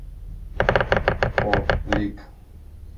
Por: Lic.